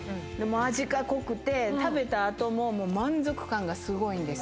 味が濃くて食べた後も満足感がすごいんです。